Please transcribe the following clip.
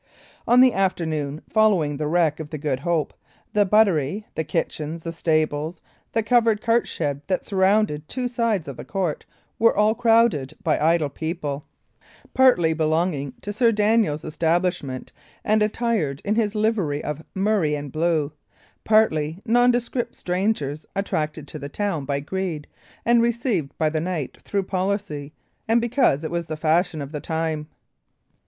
On the afternoon following the wreck of the Good Hope, the buttery, the kitchens, the stables, the covered cartshed that surrounded two sides of the court, were all crowded by idle people, partly belonging to Sir Daniel's establishment, and attired in his livery of murrey and blue, partly nondescript strangers attracted to the town by greed, and received by the knight through policy, and because it was the fashion of the time.